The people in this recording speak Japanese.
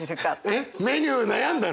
えっメニュー悩んだの？